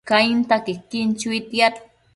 Cainta quequin chuitiad